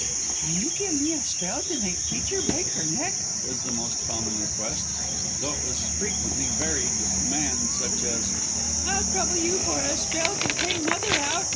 "Can you give me a spell to make teacher break her neck?" was the most common request, though it was frequently varied with demands such as "I'll trouble you for a spell to pay mother out.